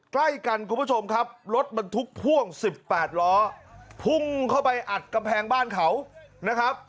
ใกล้กันคุณผู้ชมครับรถบรรทุกพ่วง๑๘ล้อพุ่งเข้าไปอัดกำแพงบ้านเขานะครับ